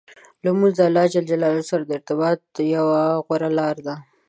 لمونځ د الله جل جلاله سره د ارتباط یوه غوره لار ده.